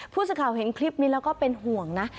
ผู้สื่อข่าวเห็นคลิปนี้แล้วก็เป็นห่วงนะ